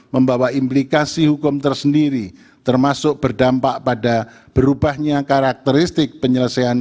membawa implikasi hukum tersendiri termasuk berdampak pada berubahnya karakteristik penyelesaian